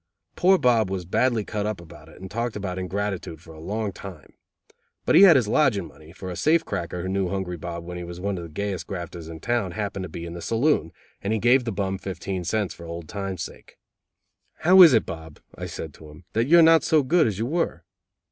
Poor Bob was badly cut up about it, and talked about ingratitude for a long time. But he had his lodging money, for a safe cracker who knew Hungry Bob when he was one of the gayest grafters in town, happened to be in the saloon, and he gave the "bum" fifteen cents for old times sake. "How is it, Bob," I said to him, "that you are not so good as you were?"